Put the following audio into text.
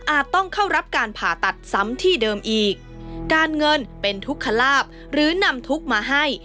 ต้องเข้ารับการผ่าตัดซ้ำที่เดิมอีกการเงินเป็นทุกขลาบหรือนำทุกข์มาให้